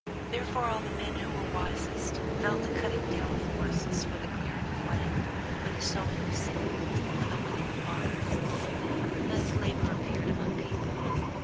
Thereupon all the men who were wisest fell to cutting down forests for the clearing of land, for the sowing of seed, for the winning of harvests. Thus Labor appeared among people.